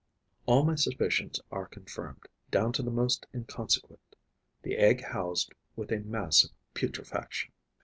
All my suspicions are confirmed, down to the most inconsequent: the egg housed with a mass of putrefaction.